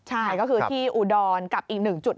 ใช่ก็คือที่อุดรกับอีกหนึ่งจุด